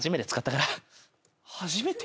初めて？